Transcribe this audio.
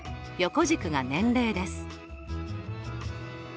横軸が年齢です。